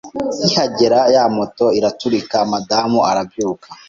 nkihagera ya moto iraturika, madamu arabyuka